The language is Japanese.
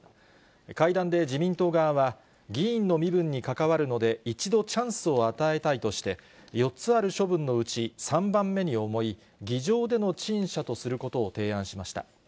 会談で自民党側は、議員の身分に関わるので一度チャンスを与えたいとして、４つある処分のうち３番目に重い、議場での陳謝とすることを提案しました。